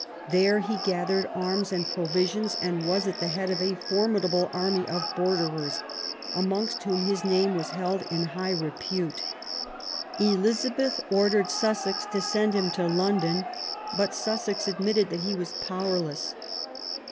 There he gathered arms and provisions, and was at the head of a formidable army of borderers amongst whom his name was held in high repute. Elizabeth ordered Sussex to send him to London ; but Sussex ad mitted that he was powerless.